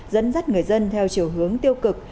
dẫn dắt người dân theo chiều hướng tiêu cực